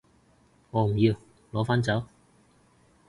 我唔要，攞返走